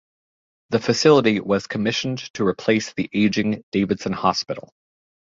The facility was commissioned to replace the aging Davidson Hospital.